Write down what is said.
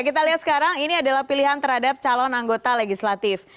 kita lihat sekarang ini adalah pilihan terhadap calon anggota legislatif